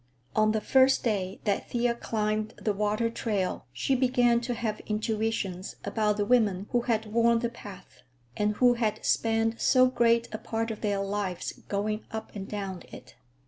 On the first day that Thea climbed the water trail she began to have intuitions about the women who had worn the path, and who had spent so great a part of their lives going up and down it.